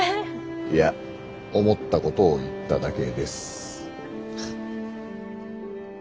いや思ったことを言っただけです。